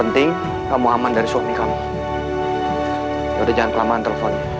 tidak ada apa apa lagi